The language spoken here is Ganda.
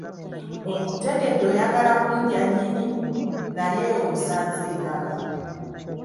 Nkutegedde oyagala okundya nnyini, naye osanze ndaba.